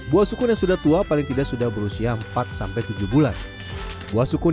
buah sukun yang sudah tua paling tidak sudah berusia empat sampai tujuh bulan buah sukun